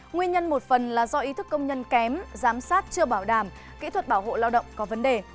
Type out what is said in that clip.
nguyên nhân một phần là do ý thức công nhân kém giám sát chưa bảo đảm kỹ thuật bảo hộ lao động có vấn đề